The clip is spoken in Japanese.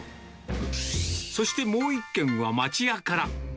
そして、もう１軒は町屋から。